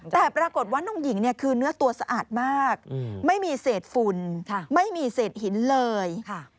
แต่ปรากฏว่าน้องหญิงเนี่ยคือเนื้อตัวสะอาดมากไม่มีเศษฝุ่นไม่มีเศษหินเลย